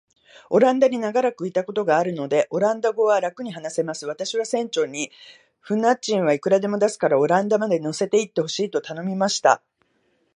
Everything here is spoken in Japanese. オランダに長らくいたことがあるので、オランダ語はらくに話せます。私は船長に、船賃はいくらでも出すから、オランダまで乗せて行ってほしいと頼みました。